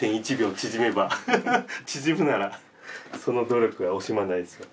縮むならその努力は惜しまないです。